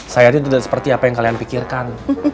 saya tuh tidak seperti apa yang kalian pikirkan